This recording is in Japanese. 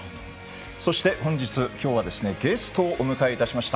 そして、本日はゲストをお迎えいたしました。